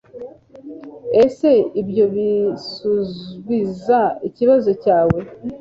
ese ibyo bisubiza ikibazo cyawe